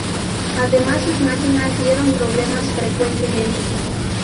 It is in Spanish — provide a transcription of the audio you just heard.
Además, sus máquinas dieron problemas frecuentemente.